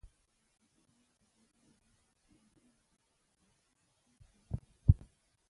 د احمد رګ مې نیولی، پوهېږ چې څه غواړي.